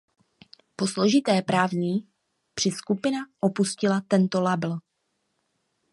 Po složité právní při skupina opustila tento label.